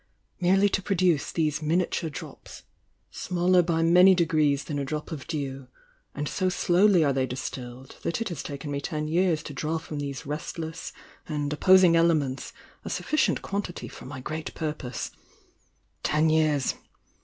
— merely to pro duce these miniature drops, smaller by many degrees than a drop of dew, and so slowly are they distilled, that It has taken me ten years to draw from these restless and opposing elements a sufficient quan tity for my great purpose. Ten years!